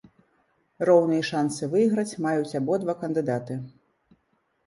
Роўныя шанцы выйграць маюць абодва кандыдаты.